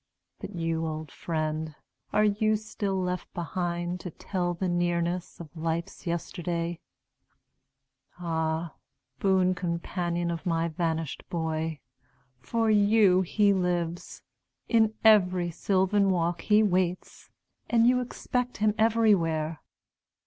But you old friend, are you still left behind To tell the nearness of life's yesterday ? THE FALLEN 379 Ah, boon companion of my vanished boy, For you he lives ; in every sylvan walk He waits ; and you expect him everywhere.